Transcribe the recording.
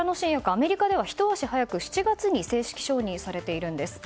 アメリカではひと足早く７月に正式承認されているんです。